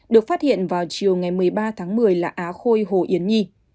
được phát hiện vào chiều ngày một mươi ba tháng một mươi là á khôi hồ yến nhi